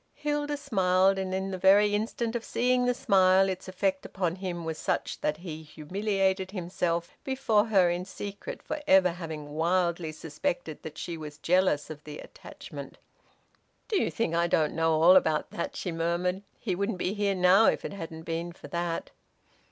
Hilda smiled, and in the very instant of seeing the smile its effect upon him was such that he humiliated himself before her in secret for ever having wildly suspected that she was jealous of the attachment. "Do you think I don't know all about that?" she murmured. "He wouldn't be here now if it hadn't been for that."